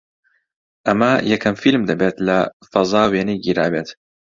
ئەمە یەکەم فیلم دەبێت لە فەزا وێنەی گیرابێت